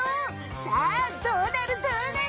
さあどうなるどうなる？